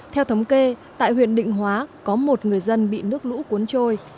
theo thống kê tại huyện định hóa có một người dân bị nước lũ cuốn trôi